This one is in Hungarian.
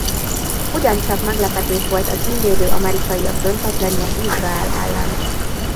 Ugyancsak meglepetés volt a címvédő amerikaiak döntetlenje Izrael ellen.